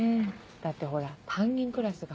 だってほら担任クラスが。